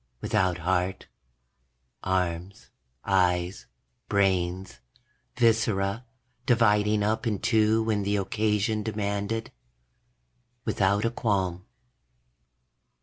Without heart, arms, eyes, brains, viscera, dividing up in two when the occasion demanded. Without a qualm.